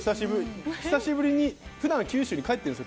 久しぶりに普段、九州に帰ってるんです。